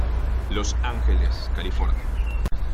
Los Angeles California.